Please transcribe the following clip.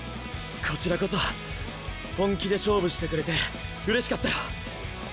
こちらこそ本気で勝負してくれてうれしかったよ。